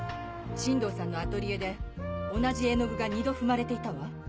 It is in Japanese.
新堂さんのアトリエで同じ絵の具が二度踏まれていたわ。